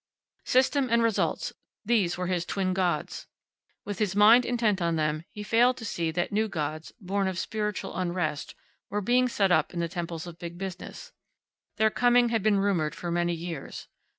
System and Results these were his twin gods. With his mind intent on them he failed to see that new gods, born of spiritual unrest, were being set up in the temples of Big Business. Their coming had been rumored for many years.